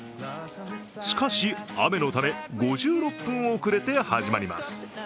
しかし、雨のため５６分遅れて始まります。